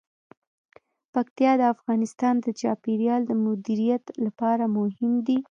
پکتیا د افغانستان د چاپیریال د مدیریت لپاره مهم دي.